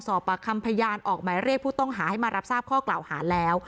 สอบปากคำพยานออกหมายเรียกผู้ต้องหาให้มารับทราบข้อกล่าวหาแล้ว